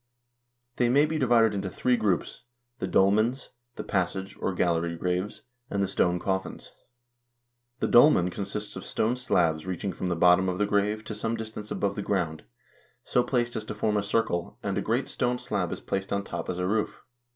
They may be divided into three groups : the dolmens, the passage or gallery graves, and the stone coffins. The dolmen consists of stone slabs reaching from the bottom of the grave to some distance above the ground, so placed as to form a circle, and a great stone slab is placed on top as a roof.